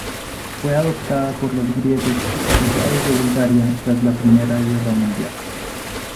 Fue adoptada por los griegos expulsados de Bulgaria tras la primera guerra mundial.